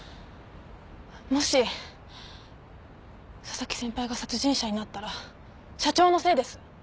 もし紗崎先輩が殺人者になったら社長のせいです。